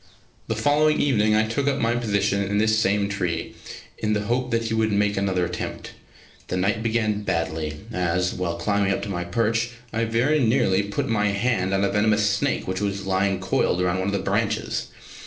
The following evening I took up my position in this same tree, in the hope that he would make another attempt. The night began badly, as, while climbing up to my perch I very nearly put my hand on a venomous snake which was lying coiled round one of the branches.